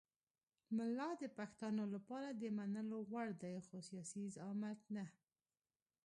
ملا د پښتانه لپاره د منلو وړ دی خو سیاسي زعامت نه.